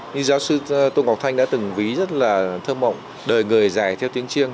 nhưng giáo sư tôn ngọc thanh đã từng ví rất là thơ mộng đời người dài theo tiếng chiêng